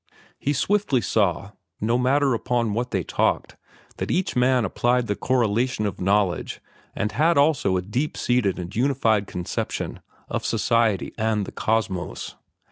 He swiftly saw, no matter upon what they talked, that each man applied the correlation of knowledge and had also a deep seated and unified conception of society and the Cosmos.